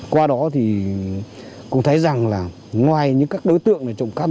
qua đó thì cũng thấy rằng là ngoài những các đối tượng trộm các vật